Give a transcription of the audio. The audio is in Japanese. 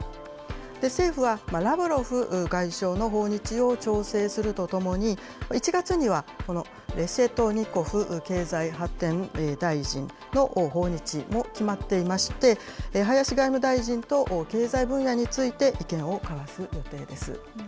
政府は、ラブロフ外相の訪日を調整するとともに、１月には、このレシェトニコフ経済発展大臣の訪日も決まっていまして、林外務大臣と経済分野について、意見を交わす予定です。